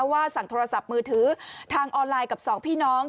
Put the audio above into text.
ว่าสั่งโทรศัพท์มือถือทางออนไลน์กับสองพี่น้อง